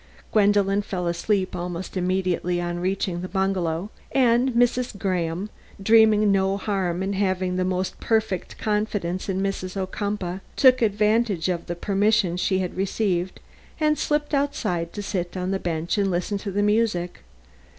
Gwendolen fell asleep almost immediately on reaching the bungalow and Miss Graham, dreaming no harm and having the most perfect confidence in Mrs. Ocumpaugh, took advantage of the permission she had received, and slipped outside to sit on the bench and listen to the music.